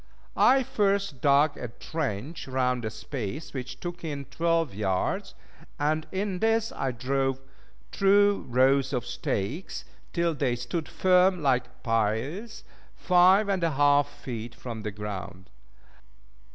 I first dug a trench round a space which took in twelve yards; and in this I drove two rows of stakes, till they stood firm like piles, five and a half feet from the ground.